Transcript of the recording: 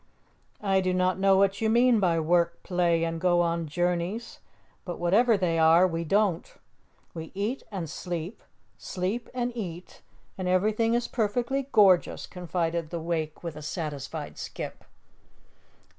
"I do not know what you mean by 'work, play and going on journeys,' but whatever they are, we don't. We eat and sleep, sleep and eat and everything is perfectly gorgeous," confided the Wake with a satisfied skip.